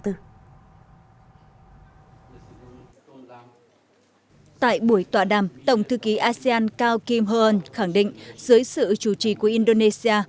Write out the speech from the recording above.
tại buổi tòa đàm tổng thư ký asean cao kim hôn khẳng định dưới sự chủ trì của indonesia